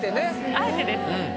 あえてです。